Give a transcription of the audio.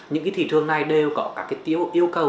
những cái thị trường này đều có các cái yêu cầu